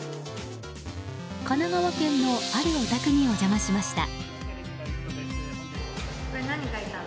神奈川県のあるお宅にお邪魔しました。